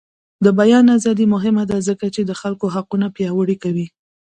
د بیان ازادي مهمه ده ځکه چې د خلکو حقونه پیاوړي کوي.